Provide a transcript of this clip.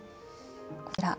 こちら。